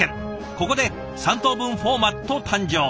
ここで３等分フォーマット誕生。